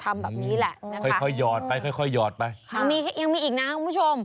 ทำแบบนี้แหละค่อยค่อยหยอดไปค่อยค่อยหยอดไปอันนี้ยังมีอีกนะคุณผู้ชม